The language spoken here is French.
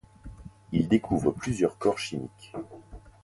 Il découvre plusieurs corps chimiques.